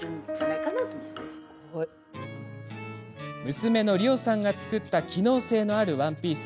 娘の、りおさんが作った機能性のあるワンピース。